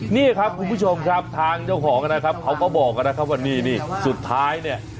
นี่ครับคุณผู้ชมครับทางเจ้าของนะครับเขาก็บอกนะครับว่านี่นี่สุดท้ายเนี่ย